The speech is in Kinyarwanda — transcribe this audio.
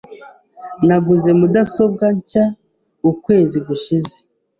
Naguze mudasobwa nshya ukwezi gushize .